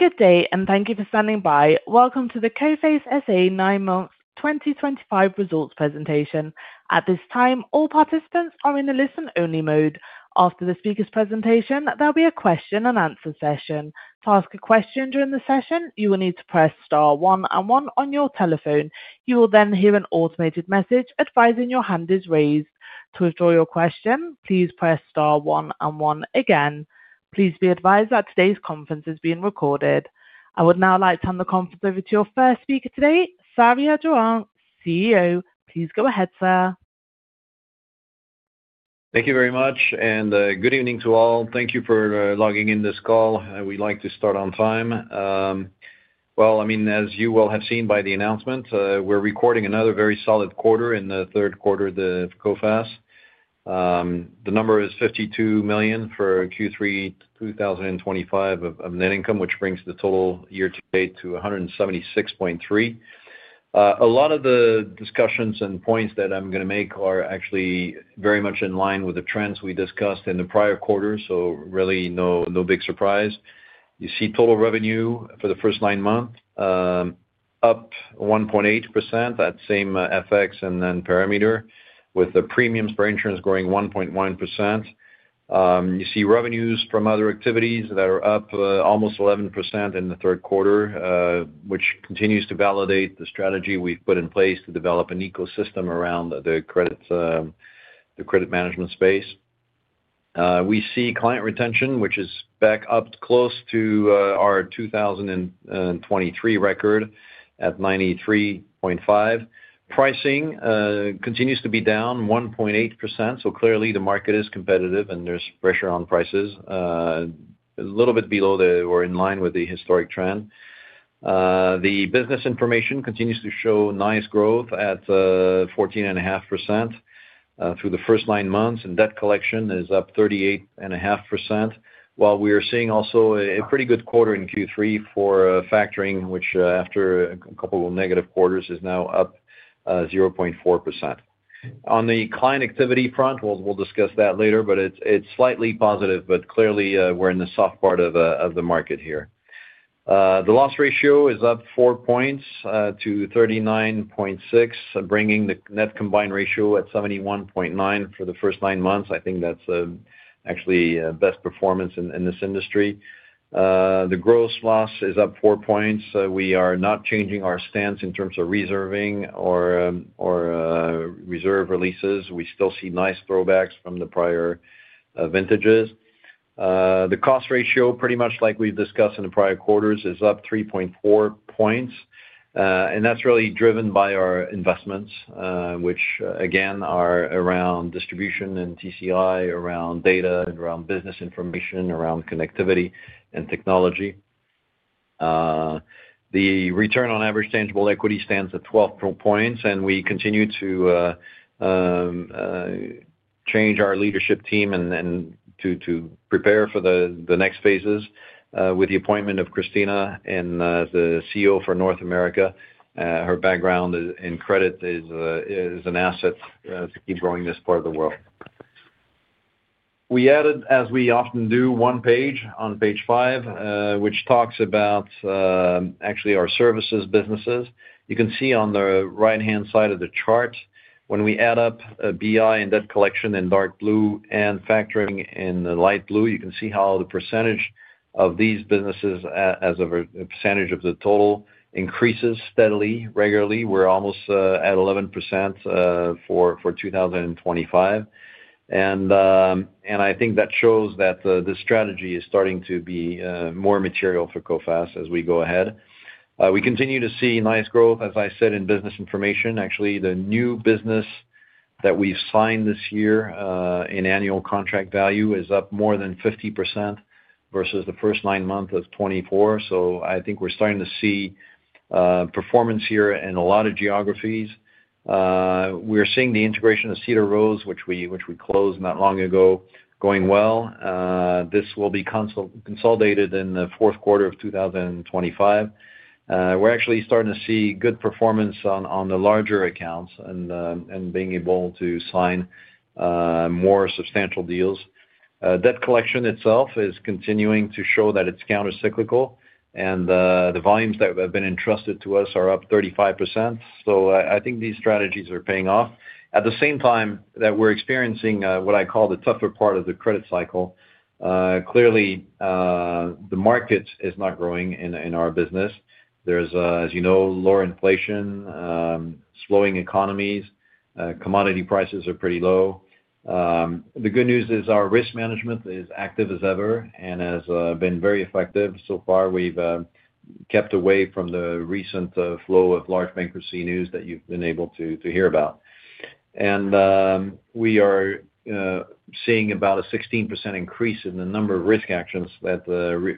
Good day, and thank you for standing by. Welcome to the COFACE SA 9 month 2025 results presentation. At this time, all participants are in a listen-only mode. After the speaker's presentation, there'll be a question-and-answer session. To ask a question during the session, you will need to press star one and one on your telephone. You will then hear an automated message advising your hand is raised. To withdraw your question, please press star one and one again. Please be advised that today's conference is being recorded. I would now like to hand the conference over to your first speaker today, Xavier Durand, CEO. Please go ahead, sir. Thank you very much, and good evening to all. Thank you for logging in this call. We'd like to start on time. As you all have seen by the announcement, we're recording another very solid quarter in the third quarter of COFACE. The number is 52 million for Q3 2025 of net income, which brings the total year-to-date to 176.3 million. A lot of the discussions and points that I'm going to make are actually very much in line with the trends we discussed in the prior quarter, so really no big surprise. You see total revenue for the first nine months up 1.8%, that same FX and then parameter, with the premiums for insurance growing 1.1%. You see revenues from other activities that are up almost 11% in the third quarter, which continues to validate the strategy we've put in place to develop an ecosystem around the credit management space. We see client retention, which is back up close to our 2023 record at 93.5%. Pricing continues to be down 1.8%, so clearly the market is competitive and there's pressure on prices, a little bit below the or in line with the historic trend. The Business Information continues to show nice growth at 14.5% through the first nine months, and Debt Collection is up 38.5%, while we are seeing also a pretty good quarter in Q3 for Factoring, which after a couple of negative quarters is now up 0.4%. On the client activity front, we'll discuss that later, but it's slightly positive, but clearly we're in the soft part of the market here. The loss ratio is up four points to 39.6%, bringing the net combined ratio at 71.9% for the first nine months. I think that's actually best performance in this industry. The gross loss is up four points. We are not changing our stance in terms of reserving or reserve releases. We still see nice throwbacks from the prior vintages. The cost ratio, pretty much like we've discussed in the prior quarters, is up 3.4 points, and that's really driven by our investments, which again are around distribution and TCI, around data, and around Business Information, around connectivity and technology. The return on average tangible equity stands at 12%, and we continue to change our leadership team and to prepare for the next phases with the appointment of Christina as the CEO for North America. Her background in credit is an asset to keep growing this part of the world. We added, as we often do, one page on page five, which talks about actually our services businesses. You can see on the right-hand side of the chart, when we add up BI and Debt Collection in dark blue and Factoring in light blue, you can see how the percentage of these businesses, as a percentage of the total, increases steadily, regularly. We're almost at 11% for 2025. I think that shows that the strategy is starting to be more material for COFACE as we go ahead. We continue to see nice growth, as I said, in Business Information. Actually, the new business that we've signed this year in Annual Contract Value is up more than 50% versus the first nine months of 2024. I think we're starting to see performance here in a lot of geographies. We're seeing the integration of Cedar Rose, which we closed not long ago, going well. This will be consolidated in the fourth quarter of 2025. We're actually starting to see good performance on the larger accounts and being able to sign more substantial deals. Debt Collection itself is continuing to show that it's countercyclical, and the volumes that have been entrusted to us are up 35%. I think these strategies are paying off. At the same time that we're experiencing what I call the tougher part of the credit cycle, clearly. The market is not growing in our business. There's, as you know, lower inflation. Slowing economies. Commodity prices are pretty low. The good news is our risk management is active as ever and has been very effective. So far, we've kept away from the recent flow of large bankruptcy news that you've been able to hear about. We are seeing about a 16% increase in the number of risk actions, that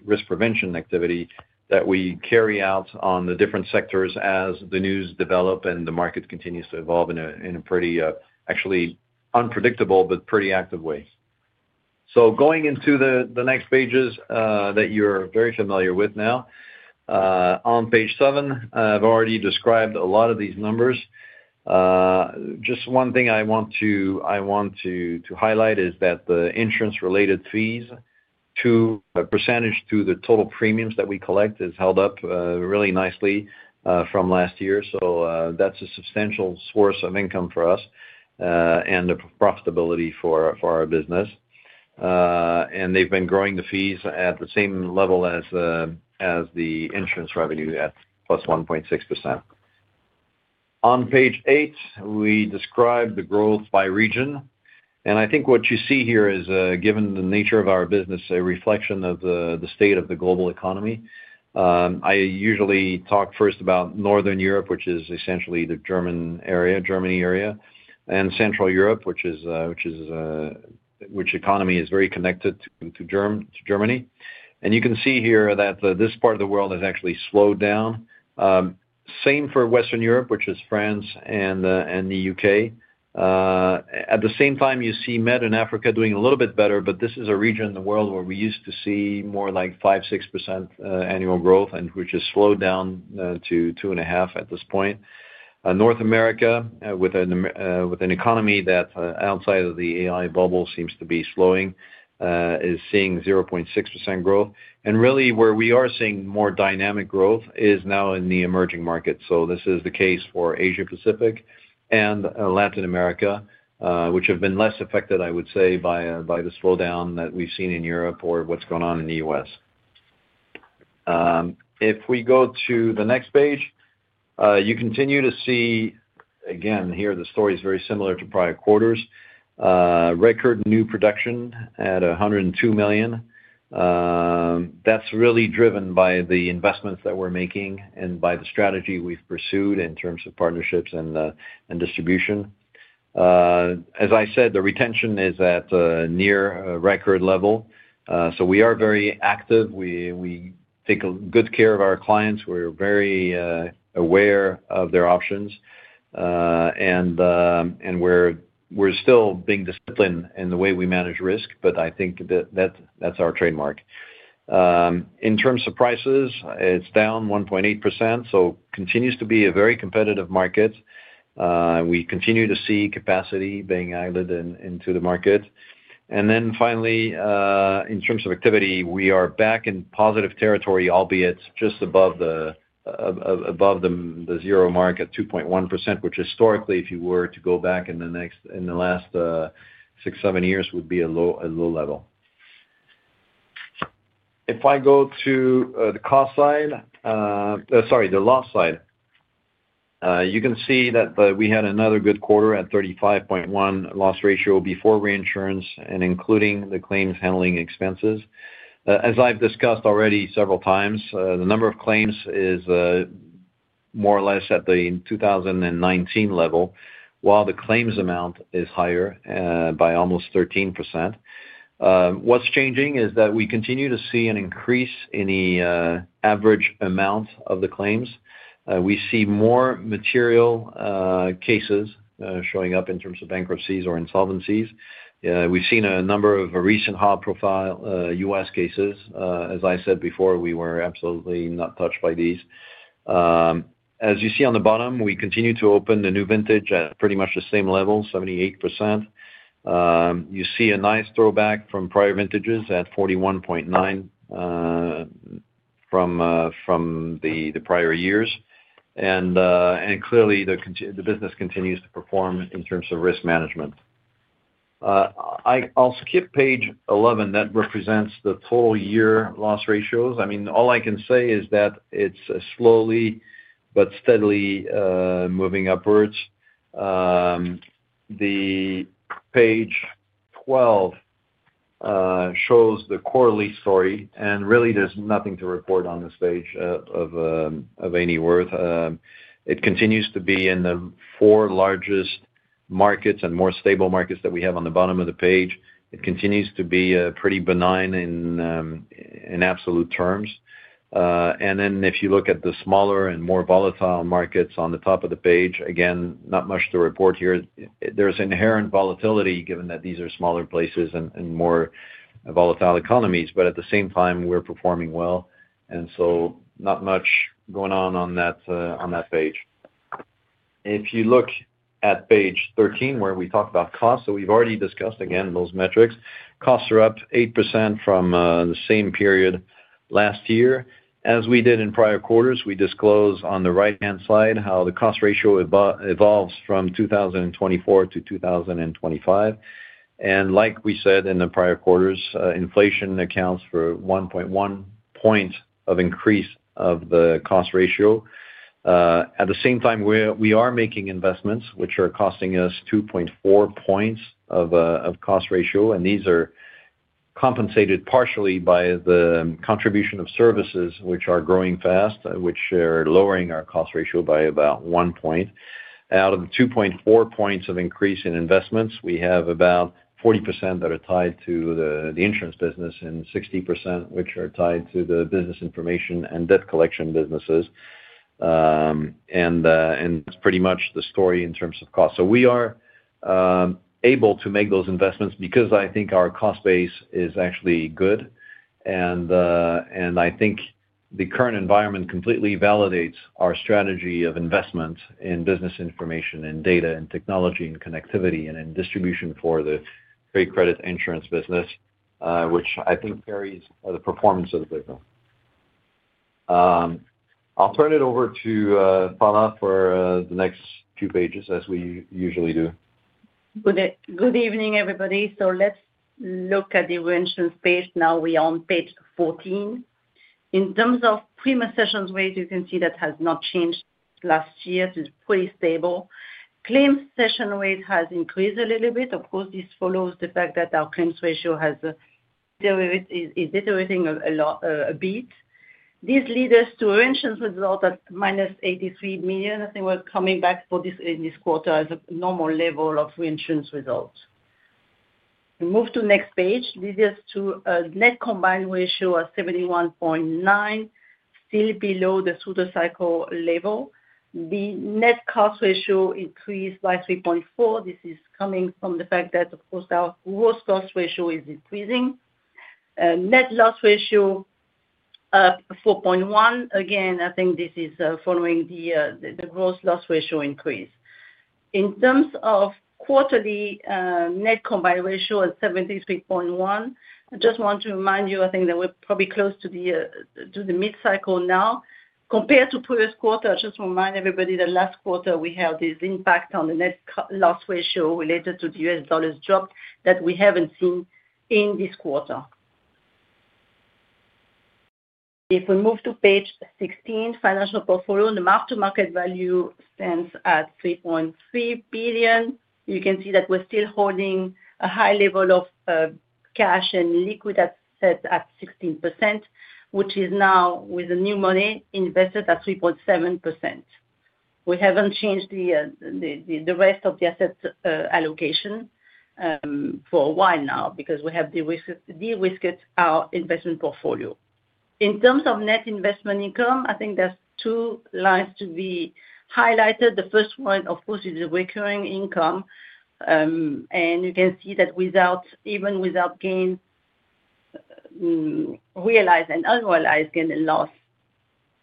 risk prevention activity that we carry out on the different sectors as the news develop and the market continues to evolve in a pretty actually unpredictable, but pretty active way. Going into the next pages that you're very familiar with now. On page seven, I've already described a lot of these numbers. Just one thing I want to highlight is that the insurance-related fees, a percentage to the total premiums that we collect, is held up really nicely from last year. That's a substantial source of income for us and the profitability for our business. They've been growing the fees at the same level as the insurance revenue at +1.6%. On page eight, we describe the growth by region. I think what you see here is, given the nature of our business, a reflection of the state of the global economy. I usually talk first about Northern Europe, which is essentially the Germany area, and Central Europe, which economy is very connected to Germany. You can see here that this part of the world has actually slowed down. Same for Western Europe, which is France and the U.K. At the same time, you see Med and Africa doing a little bit better, but this is a region in the world where we used to see more like 5-6% annual growth, which has slowed down to 2.5% at this point. North America, with an economy that outside of the AI bubble seems to be slowing, is seeing 0.6% growth. Really, where we are seeing more dynamic growth is now in the emerging markets. This is the case for Asia-Pacific and Latin America, which have been less affected, I would say, by the slowdown that we've seen in Europe or what's going on in the U.S. If we go to the next page, you continue to see, again, here the story is very similar to prior quarters. Record new production at 102 million. That's really driven by the investments that we're making and by the strategy we've pursued in terms of partnerships and distribution. As I said, the retention is at near record level. We are very active. We take good care of our clients. We're very aware of their options. We're still being disciplined in the way we manage risk, but I think that's our trademark. In terms of prices, it's down 1.8%, so continues to be a very competitive market. We continue to see capacity being added into the market. Finally, in terms of activity, we are back in positive territory, albeit just above the zero mark at 2.1%, which historically, if you were to go back in the last six, seven years, would be a low level. If I go to the cost side—sorry, the loss side—you can see that we had another good quarter at 35.1% loss ratio before reinsurance and including the claims handling expenses. As I've discussed already several times, the number of claims is more or less at the 2019 level, while the claims amount is higher by almost 13%. What's changing is that we continue to see an increase in the average amount of the claims. We see more material cases showing up in terms of bankruptcies or insolvencies. We've seen a number of recent high-profile U.S. cases. As I said before, we were absolutely not touched by these. As you see on the bottom, we continue to open the new vintage at pretty much the same level, 78%. You see a nice throwback from prior vintages at 41.9% from the prior years. Clearly, the business continues to perform in terms of risk management. I'll skip page 11. That represents the total year loss ratios. All I can say is that it's slowly but steadily moving upwards. Page 12 shows the quarterly story, and really, there's nothing to report on this page of any worth. It continues to be in the four largest markets and more stable markets that we have on the bottom of the page. It continues to be pretty benign in absolute terms. If you look at the smaller and more volatile markets on the top of the page, again, not much to report here. There's inherent volatility given that these are smaller places and more volatile economies, but at the same time, we're performing well. Not much going on on that page. If you look at page 13, where we talk about costs, we have already discussed, again, those metrics. Costs are up 8% from the same period last year. As we did in prior quarters, we disclose on the right-hand side how the cost ratio evolves from 2024 to 2025. Like we said in the prior quarters, inflation accounts for 1.1 points of increase of the cost ratio. At the same time, we are making investments, which are costing us 2.4 points of cost ratio, and these are compensated partially by the contribution of services, which are growing fast, which are lowering our cost ratio by about one point. Out of the 2.4 points of increase in investments, we have about 40% that are tied to the insurance business and 60% which are tied to the Business Information and Debt Collection businesses. That is pretty much the story in terms of cost. We are able to make those investments because I think our cost base is actually good. I think the current environment completely validates our strategy of investment in Business Information and data and technology and connectivity and in distribution for the trade credit insurance business, which I think carries the performance of the business. I will turn it over to Phalla for the next few pages, as we usually do. Good evening, everybody. Let us look at the reinsurance page. Now we are on page 14. In terms of premium cessions, you can see that has not changed from last year. It is pretty stable. Claims cession rate has increased a little bit. Of course, this follows the fact that our claims ratio has been deteriorating a bit. This leads us to reinsurance result at -83 million. I think we are coming back for this quarter at a normal level of reinsurance result. We move to the next page. This leads us to a net combined ratio of 71.9, still below the super cycle level. The net cost ratio increased by 3.4. This is coming from the fact that, of course, our gross cost ratio is increasing. Net loss ratio up 4.1. Again, I think this is following the gross loss ratio increase. In terms of quarterly net combined ratio at 73.1, I just want to remind you, I think that we are probably close to the mid-cycle now. Compared to previous quarter, I just want to remind everybody that last quarter we had this impact on the net loss ratio related to the U.S. dollar's drop that we have not seen in this quarter. If we move to page 16, financial portfolio, the mark-to-market value stands at 3.3 billion. You can see that we are still holding a high level of cash and liquid assets at 16%, which is now with the new money invested at 3.7%. We have not changed the rest of the asset allocation for a while now because we have de-risked our investment portfolio. In terms of net investment income, I think there are two lines to be highlighted. The first one, of course, is the recurring income. You can see that even without gain, realized and unrealized gain and loss,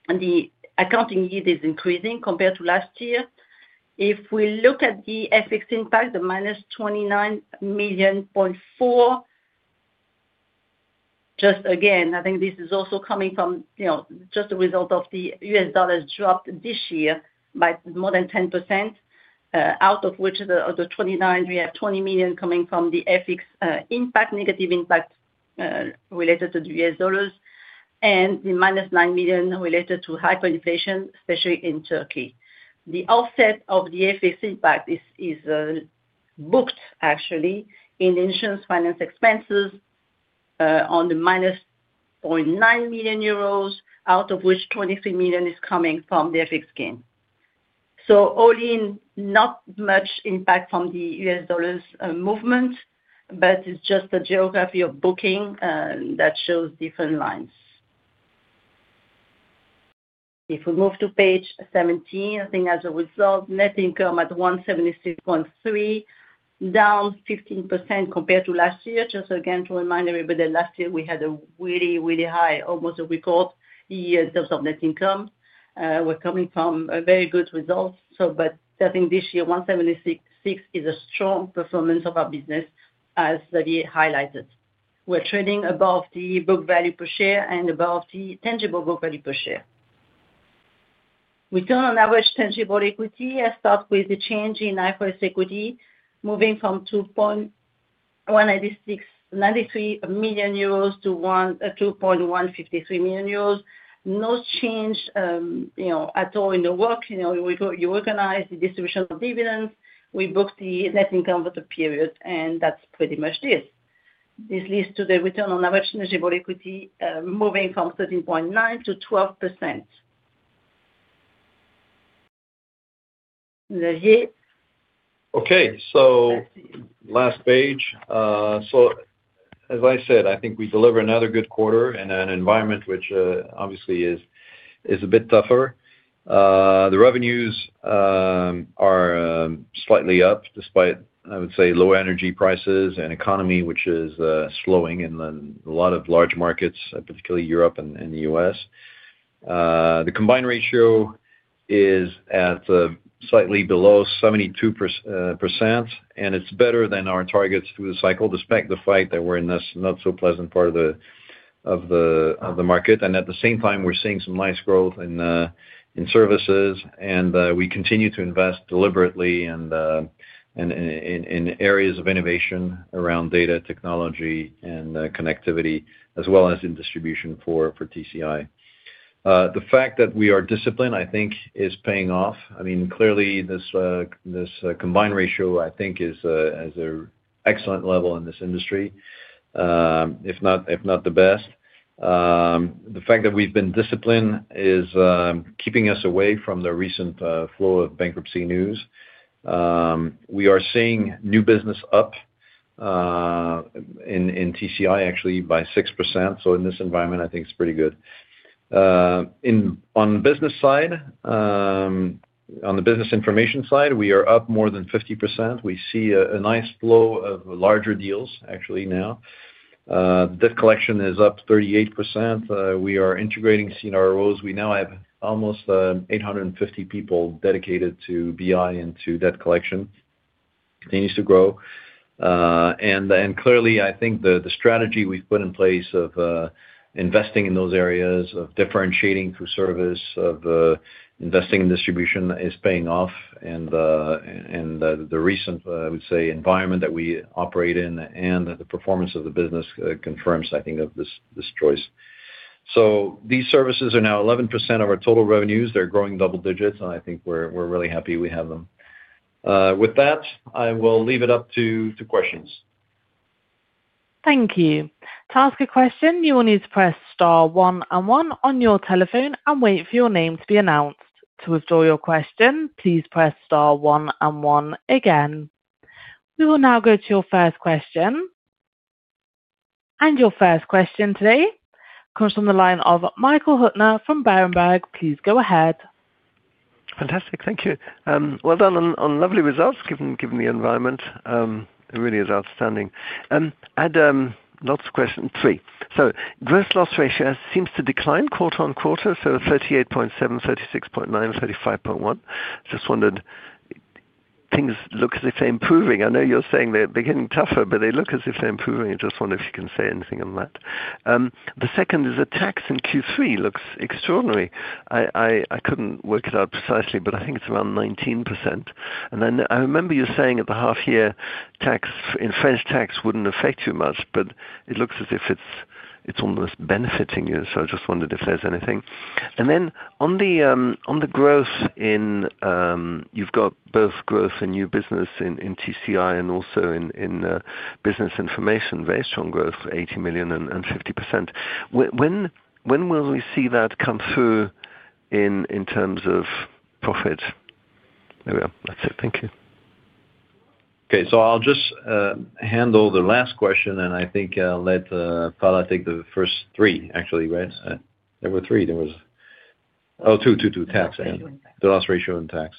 the accounting yield is increasing compared to last year. If we look at the FX impact, the -29 million. Just again, I think this is also coming from just the result of the U.S. dollar's dropped this year by more than 10%. Out of which. of the 29, we have 20 million coming from the FX impact, negative impact, related to the U.S. dollars, and the -9 million related to hyperinflation, especially in Turkey. The offset of the FX impact is booked, actually, in insurance finance expenses. On the -0.9 million euros, out of which 23 million is coming from the FX gain. So only not much impact from the U.S. dollar's movement, but it's just the geography of booking that shows different lines. If we move to page 17, I think as a result, net income at 176.3 million, down 15% compared to last year. Just again, to remind everybody, last year we had a really, really high, almost a record year in terms of net income. We're coming from a very good result. I think this year, 176 million is a strong performance of our business, as I highlighted. We're trading above the book value per share and above the tangible book value per share. Return on average tangible equity. I start with the change in IFRS equity, moving from 2.193 million euros to 2.153 million euros. No change at all in the work. You organize the distribution of dividends. We booked the net income for the period, and that's pretty much this. This leads to the return on average tangible equity moving from 13.9%-12%. Last page. As I said, I think we deliver another good quarter in an environment which obviously is a bit tougher. The revenues are slightly up despite, I would say, low energy prices and economy, which is slowing in a lot of large markets, particularly Europe and the U.S. The combined ratio is at slightly below 72%, and it's better than our targets through the cycle, despite the fact that we're in this not-so-pleasant part of the market. At the same time, we're seeing some nice growth in services, and we continue to invest deliberately in areas of innovation around data, technology, and connectivity, as well as in distribution for TCI. The fact that we are disciplined, I think, is paying off. I mean, clearly, this combined ratio, I think, is at an excellent level in this industry, if not the best. The fact that we've been disciplined is keeping us away from the recent flow of bankruptcy news. We are seeing new business up in TCI, actually, by 6%. In this environment, I think it's pretty good. On the business side, on the Business Information side, we are up more than 50%. We see a nice flow of larger deals, actually, now. Debt Collection is up 38%. We are integrating Cedar Rose. We now have almost 850 people dedicated to BI and to Debt Collection. It continues to grow. Clearly, I think the strategy we have put in place of investing in those areas, of differentiating through service, of investing in distribution, is paying off. The recent, I would say, environment that we operate in and the performance of the business confirms, I think, this choice. These services are now 11% of our total revenues. They are growing double digits, and I think we are really happy we have them. With that, I will leave it up to questions. Thank you. To ask a question, you will need to press star one and one on your telephone and wait for your name to be announced. To withdraw your question, please press star one and one again. We will now go to your first question. Your first question today comes from the line of Michael Huttner from Berenberg. Please go ahead. Fantastic. Thank you. Well done on lovely results given the environment. It really is outstanding. I had lots of questions. Three. Gross loss ratio seems to decline quarter on quarter, so 38.7, 36.9, 35.1. Just wondered. Things look as if they are improving. I know you are saying they are getting tougher, but they look as if they are improving. I just wonder if you can say anything on that. The second is the tax in Q3 looks extraordinary. I could not work it out precisely, but I think it is around 19%. I remember you saying at the half-year tax, in French tax, would not affect you much, but it looks as if it is almost benefiting you. I just wondered if there is anything. On the growth in, you have got both growth in new business in TCI and also in Business Information, very strong growth, 80 million and 50%. When will we see that come through in terms of profit? There we are. That is it. Thank you. Okay. I will just handle the last question, and I think I will let Phalla take the first three, actually, right? There were three. There was, oh, two, two, two, tax. The loss ratio and tax.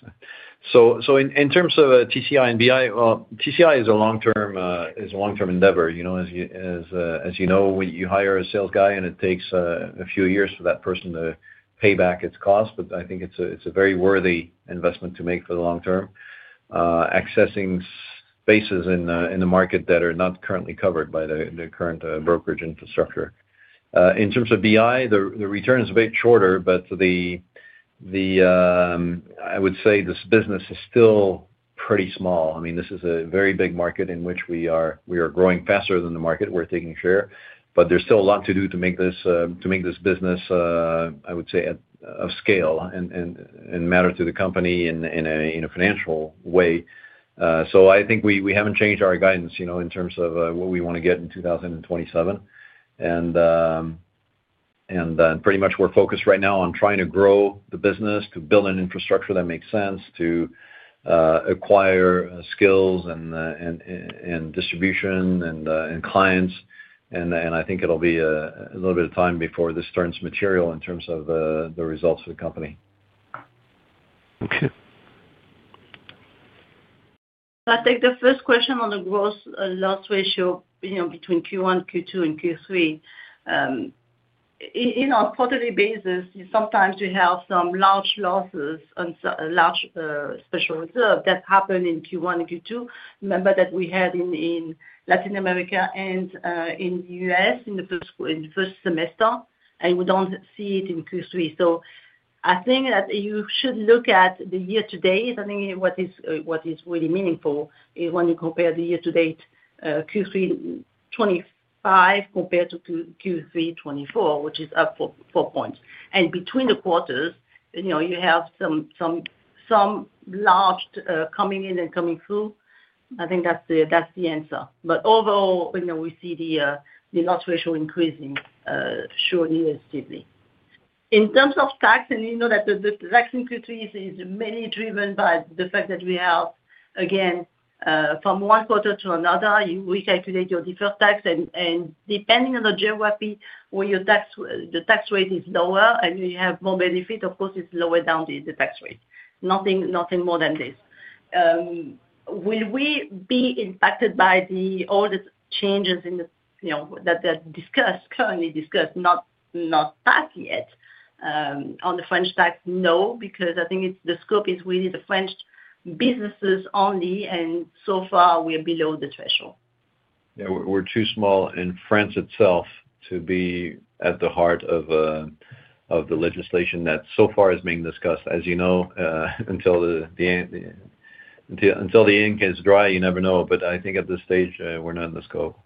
In terms of TCI and BI, TCI is a long-term endeavor. As you know, when you hire a sales guy and it takes a few years for that person to pay back its cost, but I think it is a very worthy investment to make for the long term. Accessing spaces in the market that are not currently covered by the current brokerage infrastructure. In terms of BI, the return is a bit shorter, but I would say this business is still pretty small. I mean, this is a very big market in which we are growing faster than the market. We are taking share. There is still a lot to do to make this business. I would say, of scale and matter to the company in a financial way. I think we haven't changed our guidance in terms of what we want to get in 2027. Pretty much we're focused right now on trying to grow the business, to build an infrastructure that makes sense, to acquire skills and distribution and clients. I think it'll be a little bit of time before this turns material in terms of the results for the company. Okay. I'll take the first question on the gross loss ratio between Q1, Q2, and Q3. On a quarterly basis, sometimes we have some large losses and large special reserves that happen in Q1 and Q2. Remember that we had in Latin America and in the U.S. in the first semester, and we don't see it in Q3. I think that you should look at the year-to-date. I think what is really meaningful is when you compare the year-to-date Q3 2025 compared to Q3 2024, which is up four points. Between the quarters, you have some large coming in and coming through. I think that's the answer. Overall, we see the loss ratio increasing, surely and steadily. In terms of tax, and you know that the tax in Q3 is mainly driven by the fact that we have, again, from one quarter to another, we calculate your deferred tax. Depending on the geography where the tax rate is lower and you have more benefit, of course, it's lower down the tax rate. Nothing more than this. Will we be impacted by all the changes that are currently discussed, not tax yet? On the French tax, no, because I think the scope is really the French businesses only, and so far, we are below the threshold. Yeah. We're too small in France itself to be at the heart of the legislation that so far is being discussed. As you know, until the ink is dry, you never know. I think at this stage, we're not in the scope.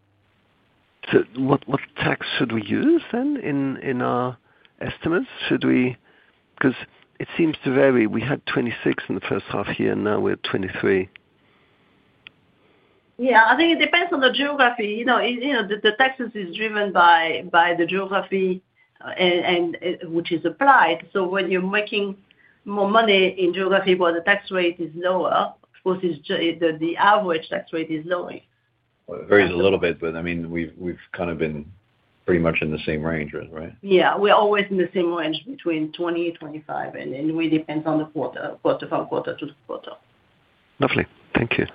What tax should we use then in our estimates? Because it seems to vary. We had 26 in the first half year, and now we're at 23. Yeah. I think it depends on the geography. The taxes are driven by the geography which is applied. When you're making more money in geography where the tax rate is lower, of course, the average tax rate is lower. It varies a little bit, but I mean, we've kind of been pretty much in the same range, right? Yeah. We're always in the same range between 20-25, and it really depends on the quarter, quarter from quarter to quarter. Lovely. Thank you.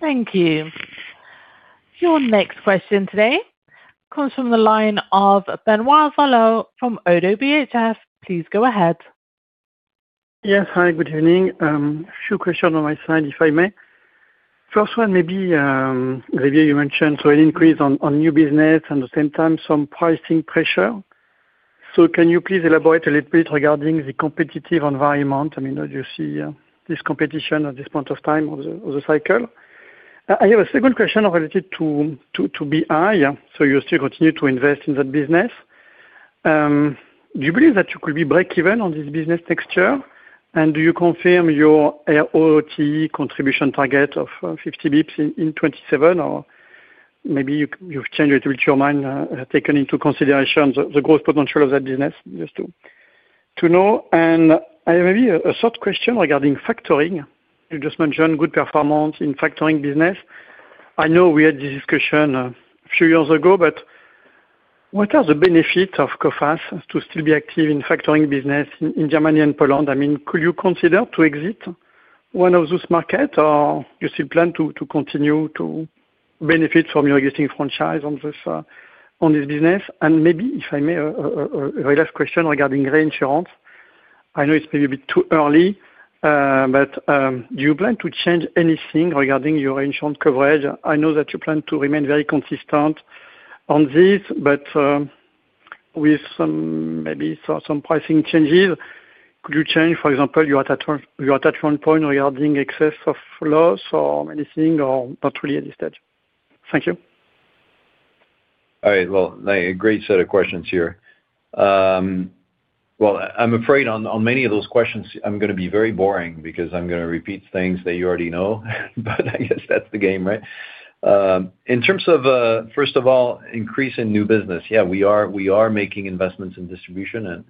Thank you. Your next question today comes from the line of Benoit Valleaux from ODDO BHF. Please go ahead. Yes. Hi. Good evening. A few questions on my side, if I may. First one, maybe. Xavier, you mentioned an increase on new business and at the same time some pricing pressure. Can you please elaborate a little bit regarding the competitive environment? I mean, as you see this competition at this point of time of the cycle. I have a second question related to BI. You still continue to invest in that business. Do you believe that you could be break-even on this business next year? And do you confirm your ROTE contribution target of 50 bps in 2027? Or maybe you have changed a little bit your mind, taken into consideration the growth potential of that business, just to know. I have maybe a short question regarding Factoring. You just mentioned good performance in Factoring business. I know we had this discussion a few years ago. What are the benefits of COFACE to still be active in Factoring business in Germany and Poland? I mean, could you consider to exit one of those markets, or do you still plan to continue to benefit from your existing franchise on this business? Maybe, if I may, a last question regarding reinsurance. I know it is maybe a bit too early. Do you plan to change anything regarding your reinsurance coverage? I know that you plan to remain very consistent on this. With maybe some pricing changes, could you change, for example, your attachment point regarding excess of loss or anything, or not really at this stage? Thank you. All right. A great set of questions here. I am afraid on many of those questions, I am going to be very boring because I am going to repeat things that you already know. I guess that is the game, right? In terms of, first of all, increase in new business, yeah, we are making investments in distribution.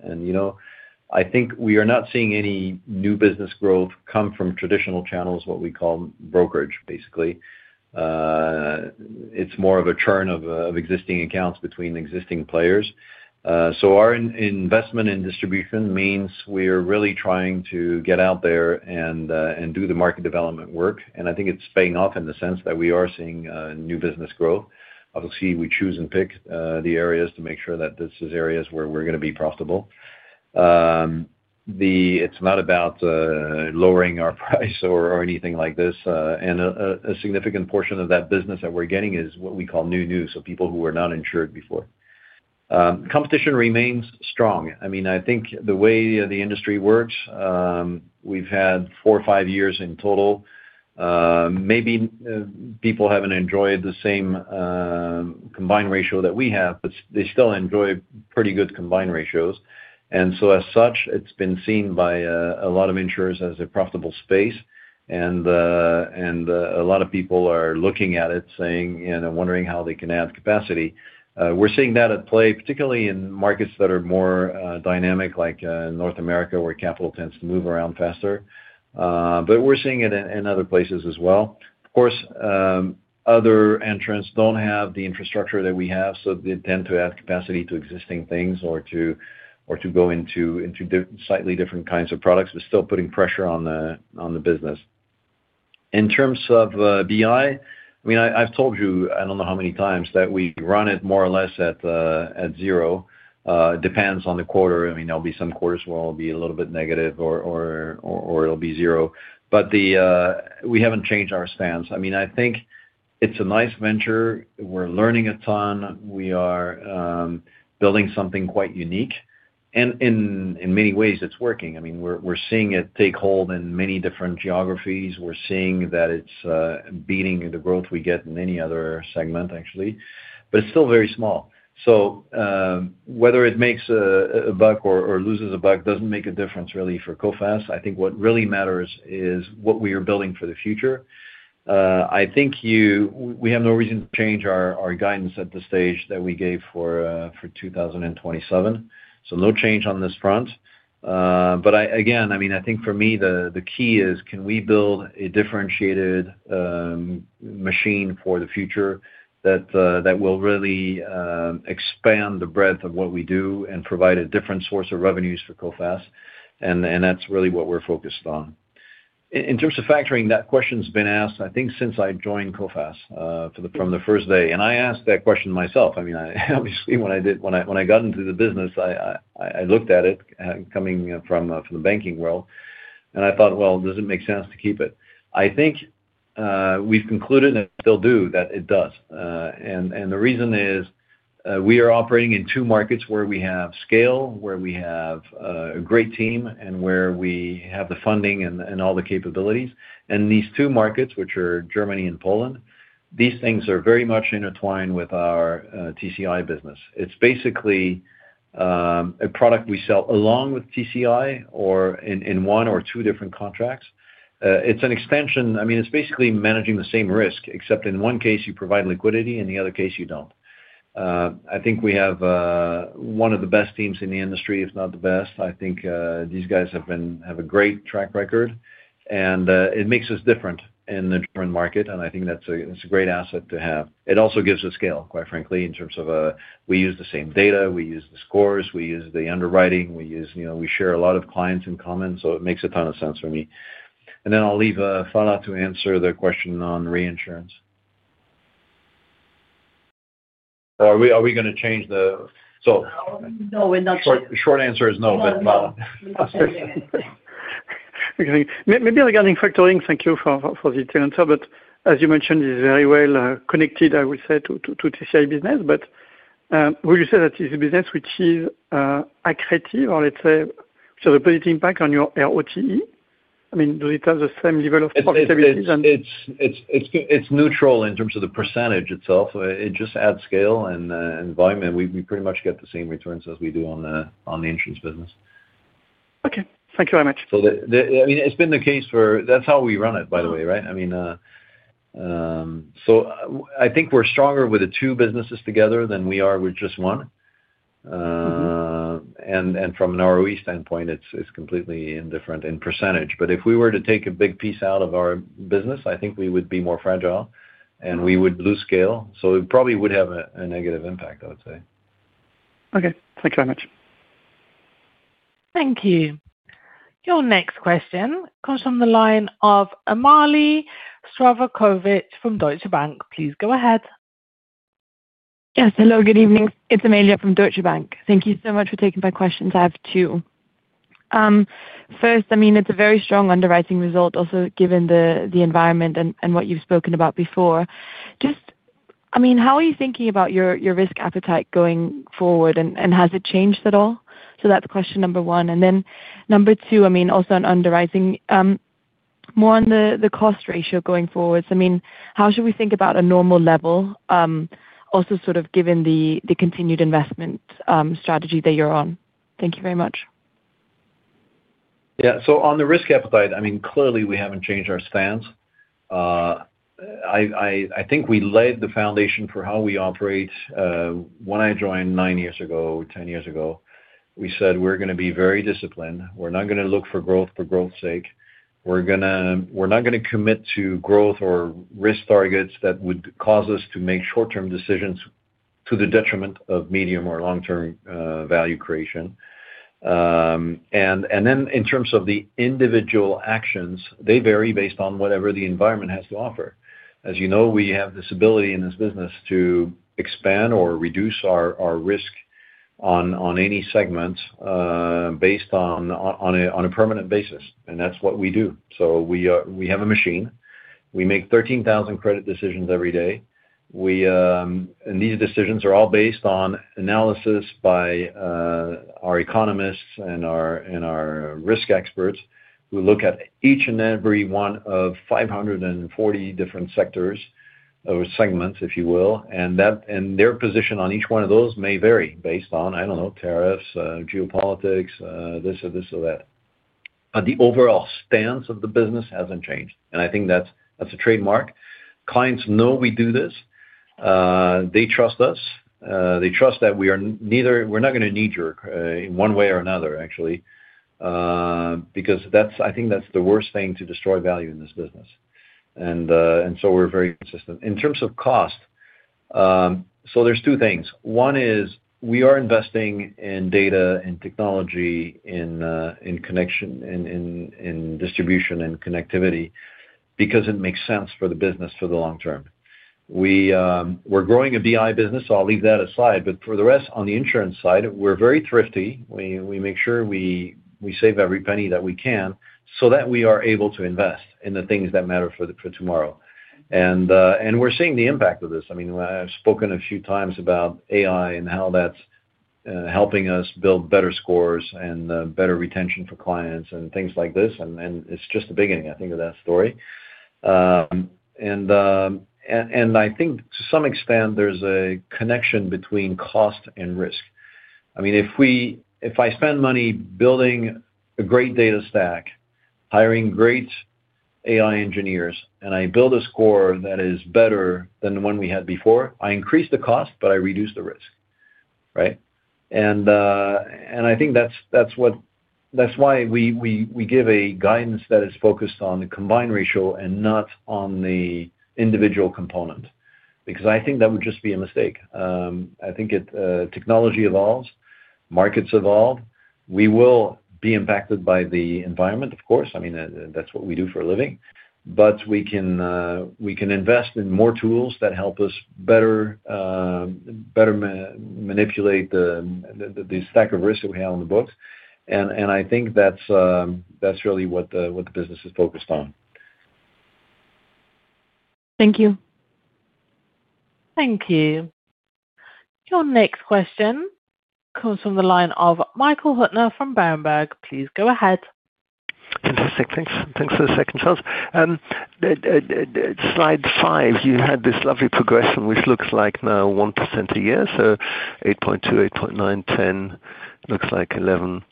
I think we are not seeing any new business growth come from traditional channels, what we call brokerage, basically. It is more of a churn of existing accounts between existing players. Our investment in distribution means we are really trying to get out there and do the market development work. I think it is paying off in the sense that we are seeing new business growth. Obviously, we choose and pick the areas to make sure that this is areas where we are going to be profitable. It is not about lowering our price or anything like this. A significant portion of that business that we are getting is what we call new news, so people who were not insured before. Competition remains strong. I mean, I think the way the industry works. We have had four or five years in total. Maybe people have not enjoyed the same combined ratio that we have, but they still enjoy pretty good combined ratios. As such, it has been seen by a lot of insurers as a profitable space. A lot of people are looking at it, saying, and wondering how they can add capacity. We're seeing that at play, particularly in markets that are more dynamic, like North America, where capital tends to move around faster. We're seeing it in other places as well. Of course, other entrants don't have the infrastructure that we have, so they tend to add capacity to existing things or to go into slightly different kinds of products, but still putting pressure on the business. In terms of BI, I mean, I've told you I don't know how many times that we run it more or less at zero. It depends on the quarter. There'll be some quarters where it'll be a little bit negative or it'll be zero. We haven't changed our stance. I mean, I think it's a nice venture. We're learning a ton. We are building something quite unique. In many ways, it's working. We're seeing it take hold in many different geographies. We're seeing that it's beating the growth we get in any other segment, actually. It's still very small. Whether it makes a buck or loses a buck doesn't make a difference, really, for COFACE. I think what really matters is what we are building for the future. I think we have no reason to change our guidance at the stage that we gave for 2027. No change on this front. Again, I mean, I think for me, the key is, can we build a differentiated machine for the future that will really expand the breadth of what we do and provide a different source of revenues for COFACE? That's really what we're focused on. In terms of Factoring, that question's been asked, I think, since I joined COFACE from the first day. I asked that question myself. I mean, obviously, when I got into the business, I looked at it coming from the banking world. I thought, "Does it make sense to keep it?" I think we've concluded and still do that it does. The reason is we are operating in two markets where we have scale, where we have a great team, and where we have the funding and all the capabilities. These two markets, which are Germany and Poland, these things are very much intertwined with our TCI business. It's basically a product we sell along with TCI or in one or two different contracts. It's an extension. It's basically managing the same risk, except in one case, you provide liquidity, and in the other case, you don't. I think we have one of the best teams in the industry, if not the best. I think these guys have a great track record. It makes us different in the German market. I think that's a great asset to have. It also gives us scale, quite frankly, in terms of we use the same data, we use the scores, we use the underwriting, we share a lot of clients in common. It makes a ton of sense for me. I'll leave Phalla to answer the question on reinsurance. Are we going to change the—short answer is no, but Phalla. Maybe I'm going to interject, thank you for the answer. As you mentioned, it's very well connected, I would say, to TCI business. Would you say that it's a business which is accretive or, let's say, which has a positive impact on your ROTE? I mean, does it have the same level of profitability? It's neutral in terms of the percentage itself. It just adds scale and volume. We pretty much get the same returns as we do on the insurance business. Okay. Thank you very much. It's been the case for—that's how we run it, by the way, right? I think we're stronger with the two businesses together than we are with just one. From an ROE standpoint, it's completely indifferent in percentage. If we were to take a big piece out of our business, I think we would be more fragile, and we would lose scale. It probably would have a negative impact, I would say. Okay. Thank you very much. Thank you. Your next question comes from the line of Amalie Zdravkovic from Deutsche Bank. Please go ahead. Yes. Hello. Good evening. It's Amalie from Deutsche Bank. Thank you so much for taking my questions. I have two. First, it's a very strong underwriting result, also given the environment and what you've spoken about before. How are you thinking about your risk appetite going forward, and has it changed at all? That's question number one. Number two, also an underwriting—more on the cost ratio going forward. How should we think about a normal level, also sort of given the continued investment strategy that you're on? Thank you very much. Yeah. On the risk appetite, clearly, we haven't changed our stance. I think we laid the foundation for how we operate. When I joined nine years ago, ten years ago, we said we're going to be very disciplined. We're not going to look for growth for growth's sake. We're not going to commit to growth or risk targets that would cause us to make short-term decisions to the detriment of medium or long-term value creation. In terms of the individual actions, they vary based on whatever the environment has to offer. As you know, we have this ability in this business to expand or reduce our risk on any segment based on a permanent basis. That's what we do. We have a machine. We make 13,000 credit decisions every day. These decisions are all based on analysis by our economists and our risk experts who look at each and every one of 540 different sectors or segments, if you will. Their position on each one of those may vary based on, I do not know, tariffs, geopolitics, this, this, or that. The overall stance of the business has not changed. I think that is a trademark. Clients know we do this. They trust us. They trust that we are not going to knee-jerk in one way or another, actually. I think that is the worst thing to destroy value in this business. We are very consistent. In terms of cost, there are two things. One is we are investing in data and technology in distribution and connectivity because it makes sense for the business for the long term. We are growing a BI business, so I will leave that aside. For the rest, on the insurance side, we are very thrifty. We make sure we save every penny that we can so that we are able to invest in the things that matter for tomorrow. We are seeing the impact of this. I mean, I have spoken a few times about AI and how that is helping us build better scores and better retention for clients and things like this. It is just the beginning, I think, of that story. I think, to some extent, there is a connection between cost and risk. I mean, if I spend money building a great data stack, hiring great AI engineers, and I build a score that is better than the one we had before, I increase the cost, but I reduce the risk, right? I think that is why we give a guidance that is focused on the combined ratio and not on the individual component. I think that would just be a mistake. Technology evolves. Markets evolve. We will be impacted by the environment, of course. I mean, that is what we do for a living. We can invest in more tools that help us better manipulate the stack of risks that we have on the books. I think that is really what the business is focused on. Thank you. Thank you. Your next question comes from the line of Michael Huttner from Berenberg. Please go ahead. Fantastic. Thanks for the second chance. Slide five, you had this lovely progression, which looks like now 1% a year. So 8.2, 8.9, 10, looks like 11.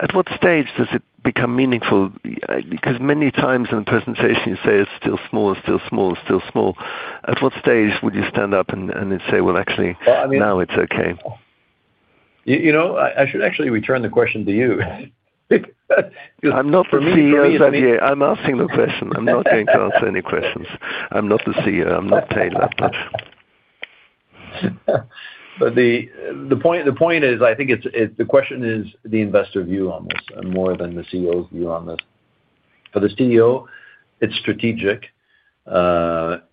At what stage does it become meaningful? Because many times in the presentation, you say it is still small, still small, still small. At what stage would you stand up and say, "Actually, now it is okay"? I should actually return the question to you. I am not the CEO of that year. I am asking the question. I am not going to answer any questions. I am not the CEO. I am not. The point is, I think the question is the investor view on this more than the CEO's view on this. For the CEO, it is strategic.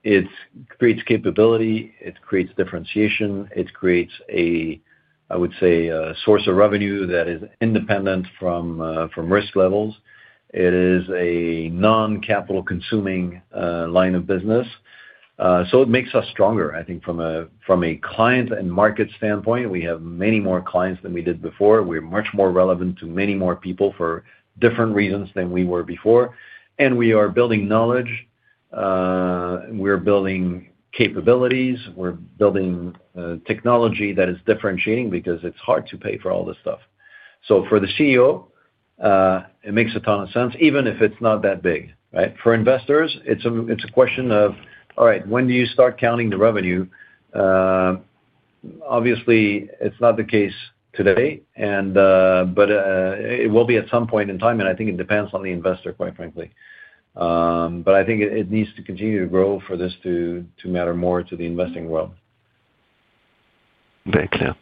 It creates capability. It creates differentiation. It creates a, I would say, source of revenue that is independent from risk levels. It is a non-capital-consuming line of business. It makes us stronger, I think, from a client and market standpoint. We have many more clients than we did before. We are much more relevant to many more people for different reasons than we were before. We are building knowledge. We are building capabilities. We are building technology that is differentiating because it is hard to pay for all this stuff. For the CEO, it makes a ton of sense, even if it is not that big, right? For investors, it is a question of, "All right, when do you start counting the revenue?" Obviously, it is not the case today. It will be at some point in time. I think it depends on the investor, quite frankly. I think it needs to continue to grow for this to matter more to the investing world. Very clear.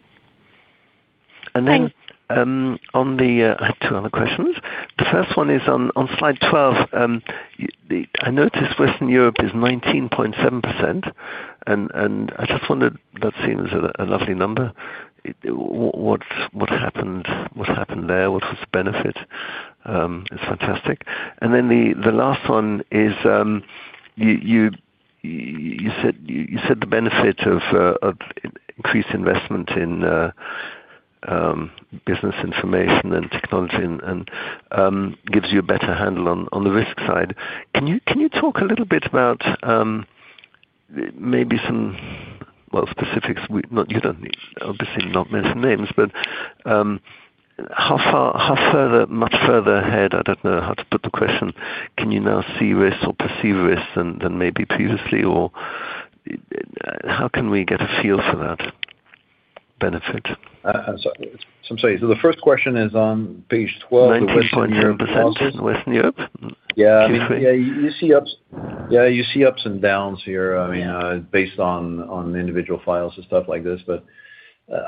On the two other questions, the first one is on slide 12. I noticed Western Europe is 19.7%. I just wondered, that seems a lovely number. What happened there? What was the benefit? It is fantastic. The last one is, you said the benefit of increased investment in Business Information and Technology gives you a better handle on the risk side. Can you talk a little bit about maybe some, well, specifics? You do not need, obviously, to mention names, but how much further ahead—I do not know how to put the question—can you now see risk or perceive risk than maybe previously? How can we get a feel for that benefit? I am sorry. The first question is on page 12, the Western Europe policies. Western Europe? Yeah. You see ups and downs here, I mean, based on individual files and stuff like this.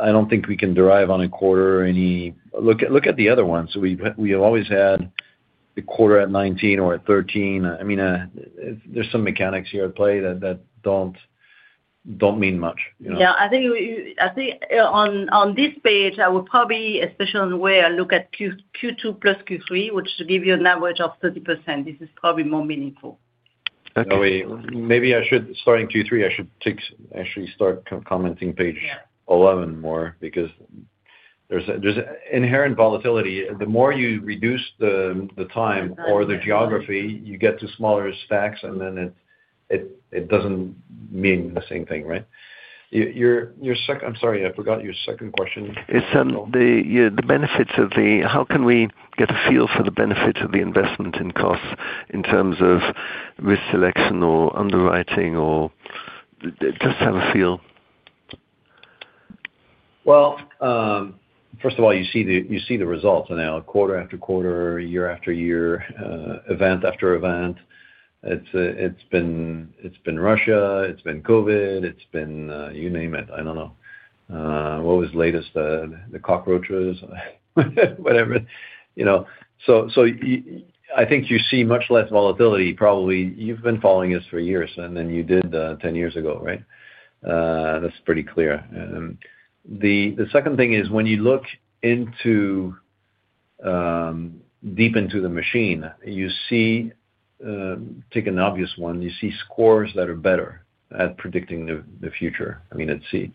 I do not think we can derive on a quarter any—look at the other ones. We have always had a quarter at 19 or at 13. There are some mechanics here at play that do not mean much. I think on this page, I would probably, especially when we look at Q2 plus Q3, which gives you an average of 30%, this is probably more meaningful. Maybe I should, starting Q3, actually start commenting page 11 more because there is inherent volatility. The more you reduce the time or the geography, you get to smaller stacks, and then it does not mean the same thing, right? I am sorry. I forgot your second question. It is the benefits of the—how can we get a feel for the benefits of the investment in costs in terms of risk selection or underwriting or just have a feel? First of all, you see the results now, quarter after quarter, year after year, event after event. It has been Russia. It has been COVID. It has been—you name it. I do not know. What was the latest? The cockroaches. Whatever. I think you see much less volatility. Probably you have been following this for years, and then you did 10 years ago, right? That is pretty clear. The second thing is when you look deep into the machine, you see—take an obvious one—you see scores that are better at predicting the future. I mean, at sea.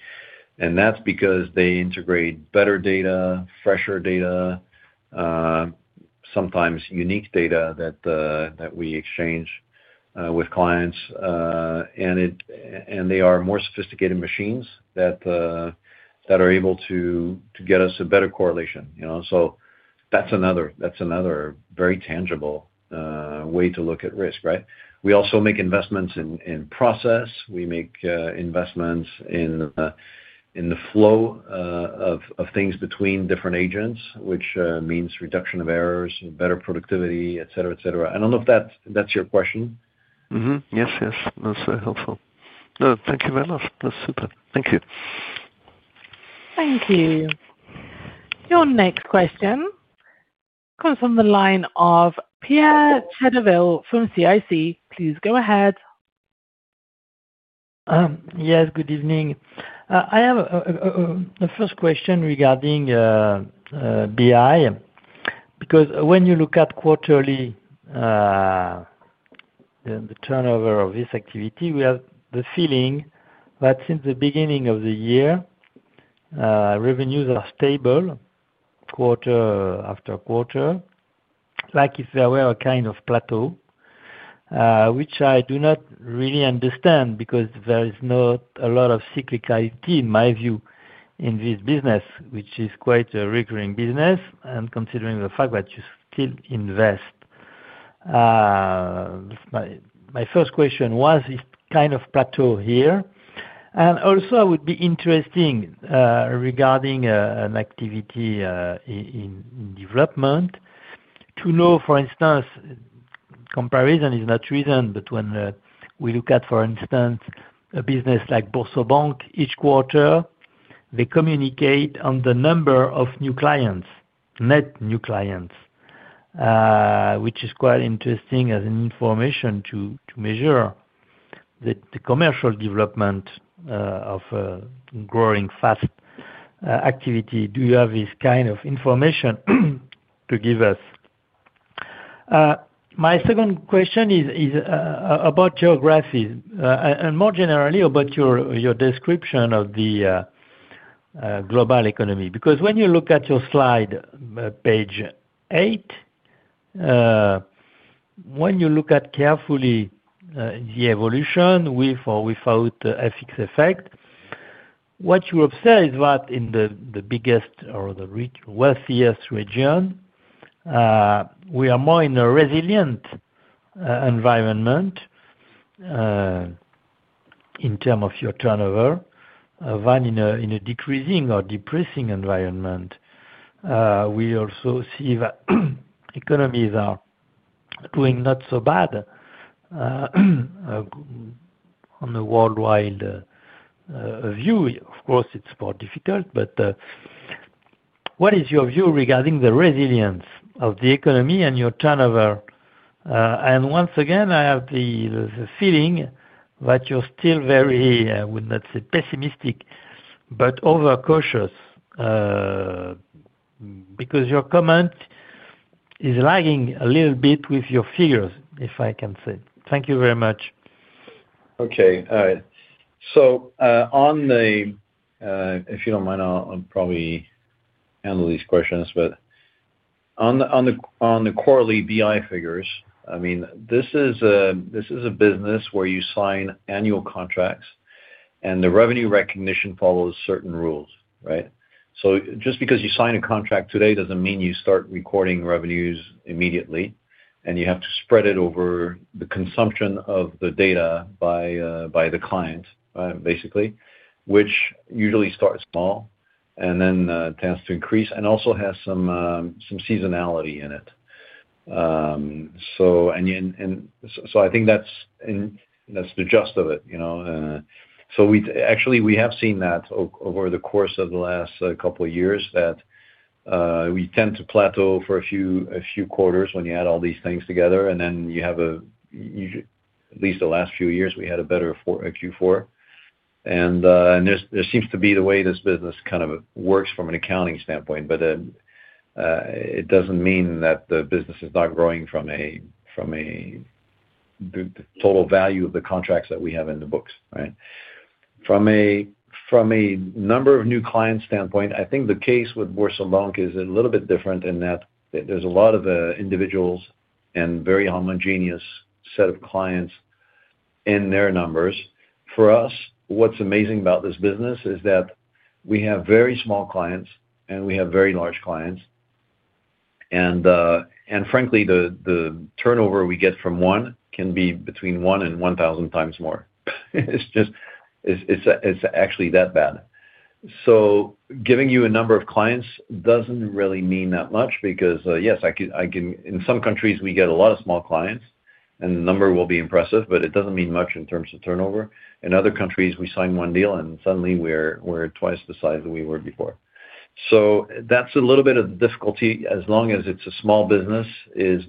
And that's because they integrate better data, fresher data, sometimes unique data that we exchange with clients. And they are more sophisticated machines that are able to get us a better correlation. So that's another very tangible way to look at risk, right? We also make investments in process. We make investments in the flow of things between different agents, which means reduction of errors, better productivity, etc., etc. I don't know if that's your question. Yes, yes. That's helpful. No, thank you very much. That's super. Thank you. Thank you. Your next question comes from the line of Pierre Chédeville from CIC. Please go ahead. Yes. Good evening. I have the first question regarding BI. Because when you look at quarterly, the turnover of this activity, we have the feeling that since the beginning of the year, revenues are stable quarter after quarter, like if there were a kind of plateau, which I do not really understand because there is not a lot of cyclicality, in my view, in this business, which is quite a recurring business. And considering the fact that you still invest, my first question was, is kind of plateau here? And also, I would be interested regarding an activity in development to know, for instance. Comparison is not reason, but when we look at, for instance, a business like BoursoBank, each quarter, they communicate on the number of new clients, net new clients, which is quite interesting as an information to measure the commercial development of a growing fast activity. Do you have this kind of information to give us? My second question is about geographies. And more generally, about your description of the global economy. Because when you look at your slide, page 8, when you look at carefully the evolution with or without the FX effect, what you observe is that in the biggest or the wealthiest region, we are more in a resilient environment in terms of your turnover than in a decreasing or decreasing environment. We also see that economies are doing not so bad on a worldwide view. Of course, it's more difficult, but what is your view regarding the resilience of the economy and your turnover? And once again, I have the feeling that you're still very—I would not say pessimistic—but over-cautious. Because your comment is lagging a little bit with your figures, if I can say. Thank you very much. Okay. All right. If you don't mind, I'll probably handle these questions, but on the quarterly BI figures, I mean, this is a business where you sign annual contracts, and the revenue recognition follows certain rules, right? Just because you sign a contract today does not mean you start recording revenues immediately, and you have to spread it over the consumption of the data by the client, basically, which usually starts small and then tends to increase and also has some seasonality in it. I think that is the gist of it. Actually, we have seen that over the course of the last couple of years that we tend to plateau for a few quarters when you add all these things together. At least the last few years, we had a better Q4. There seems to be the way this business kind of works from an accounting standpoint. It does not mean that the business is not growing from a total value of the contracts that we have in the books, right? From a number of new clients standpoint, I think the case with BoursoBank is a little bit different in that there are a lot of individuals and a very homogeneous set of clients. Their numbers—for us, what is amazing about this business is that we have very small clients, and we have very large clients. Frankly, the turnover we get from one can be between 1 and 1,000 times more. It is actually that bad. Giving you a number of clients does not really mean that much because, yes, in some countries, we get a lot of small clients, and the number will be impressive, but it does not mean much in terms of turnover. In other countries, we sign one deal, and suddenly, we are twice the size that we were before. That is a little bit of the difficulty. As long as it is a small business, we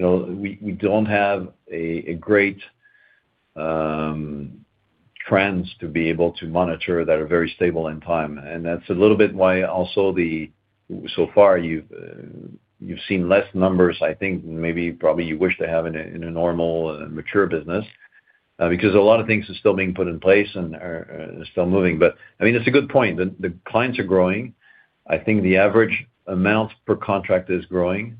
do not have a great trend to be able to monitor that is very stable in time. That is a little bit why also, so far, you have seen fewer numbers, I think, than maybe probably you wish to have in a normal and mature business, because a lot of things are still being put in place and are still moving. I mean, it is a good point. The clients are growing. I think the average amount per contract is growing.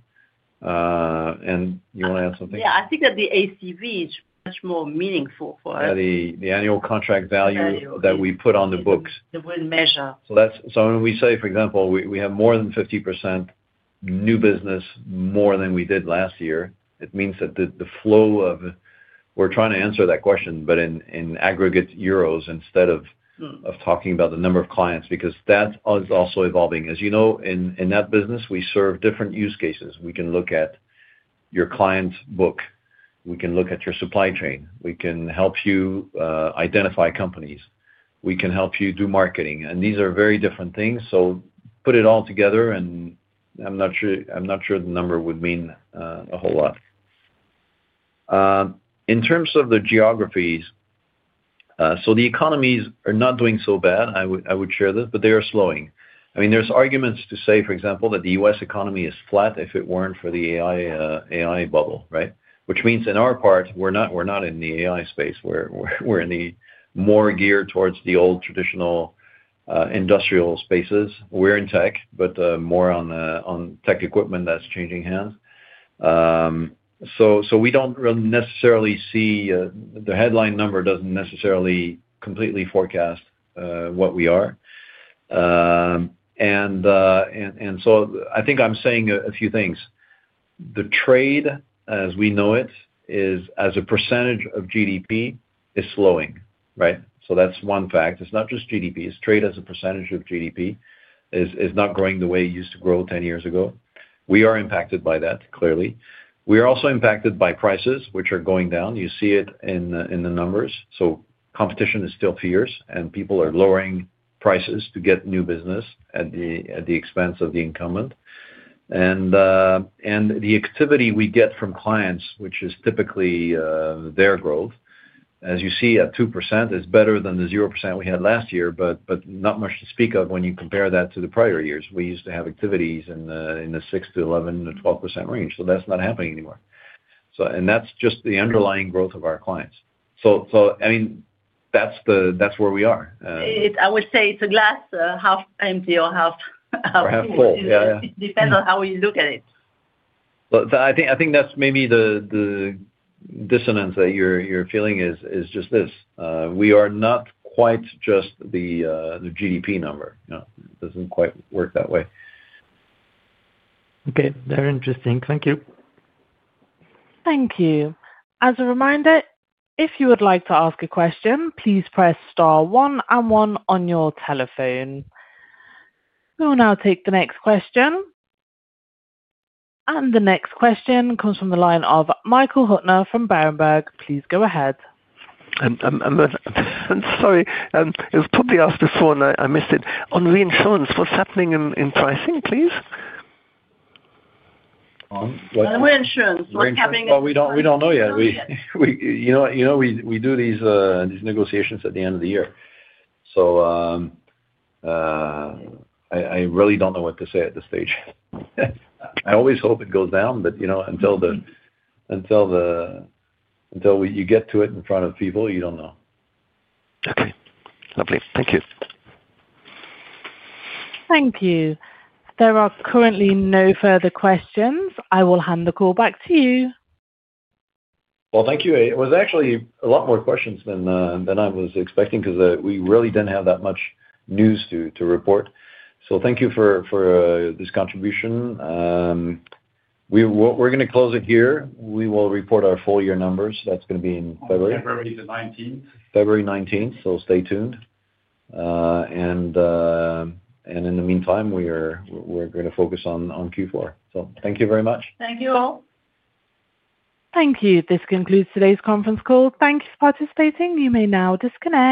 You want to add something? Yeah. I think that the ACV is much more meaningful for us. Yeah. The Annual Contract Value that we put on the books, the real measure. When we say, for example, we have more than 50% new business, more than we did last year, it means that the flow of—we are trying to answer that question, but in aggregate Euros instead of talking about the number of clients because that is also evolving. As you know, in that business, we serve different use cases. We can look at your client's book. We can look at your supply chain. We can help you identify companies. We can help you do marketing. These are very different things. So put it all together, and I'm not sure the number would mean a whole lot. In terms of the geographies. The economies are not doing so bad. I would share this, but they are slowing. I mean, there's arguments to say, for example, that the U.S. economy is flat if it were not for the AI bubble, right? Which means in our part, we're not in the AI space. We're more geared towards the old traditional industrial spaces. We're in tech, but more on tech equipment that's changing hands. We do not necessarily see—the headline number does not necessarily completely forecast what we are. I think I'm saying a few things. The trade, as we know it, as a percentage of GDP, is slowing, right? That's one fact. It's not just GDP. Trade as a percentage of GDP is not growing the way it used to grow 10 years ago. We are impacted by that, clearly. We are also impacted by prices, which are going down. You see it in the numbers. Competition is still fierce, and people are lowering prices to get new business at the expense of the incumbent. The activity we get from clients, which is typically their growth, as you see at 2%, is better than the 0% we had last year, but not much to speak of when you compare that to the prior years. We used to have activities in the 6%-11%-12% range. That's not happening anymore. That's just the underlying growth of our clients. That's where we are. I would say it's a glass half empty or half full. Or half full. Yeah. Yeah. It depends on how you look at it. I think that's maybe the dissonance that you're feeling is just this. We are not quite just the GDP number. It does not quite work that way. Okay. Very interesting. Thank you. Thank you. As a reminder, if you would like to ask a question, please press star one and one on your telephone. We will now take the next question. The next question comes from the line of Michael Huttner from Berenberg. Please go ahead. I'm sorry. It was probably asked before, and I missed it. On reinsurance, what's happening in pricing, please? On reinsurance, what's happening? We do not know yet. You know we do these negotiations at the end of the year. I really do not know what to say at this stage. I always hope it goes down, but until you get to it in front of people, you do not know. Okay. Lovely. Thank you. Thank you. There are currently no further questions. I will hand the call back to you. Thank you. It was actually a lot more questions than I was expecting because we really did not have that much news to report. Thank you for this contribution. We're going to close it here. We will report our full year numbers. That's going to be in February. February the 19th. February 19th. Stay tuned. In the meantime, we're going to focus on Q4. Thank you very much. Thank you all. Thank you. This concludes today's conference call. Thank you for participating. You may now disconnect.